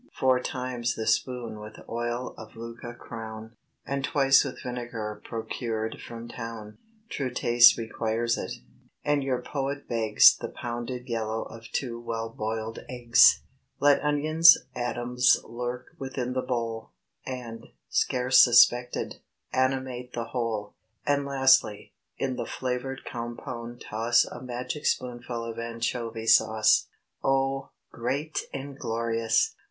Four times the spoon with oil of Lucca crown, And twice with vinegar procured from town; True taste requires it, and your poet begs The pounded yellow of two well boiled eggs. Let onions' atoms lurk within the bowl, And, scarce suspected, animate the whole; And lastly, in the flavored compound toss A magic spoonful of anchovy sauce. Oh, great and glorious!